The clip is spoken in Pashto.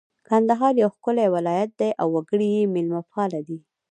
کندهار یو ښکلی ولایت دی اړ وګړي یې مېلمه پاله دي